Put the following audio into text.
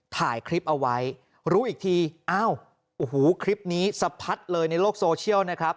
ถ่ายคลิปเอาไว้รู้อีกทีอ้าวโอ้โหคลิปนี้สะพัดเลยในโลกโซเชียลนะครับ